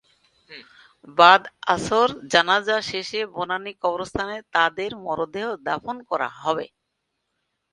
বাদ আসর জানাজা শেষে বনানী কবরস্থানে তাঁদের মরদেহ দাফন করা হবে।